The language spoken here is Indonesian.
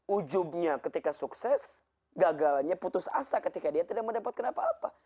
ujungnya ketika sukses gagalnya putus asa ketika dia tidak mendapatkan apa apa